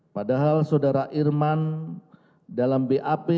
padahal saudara irman dalam bap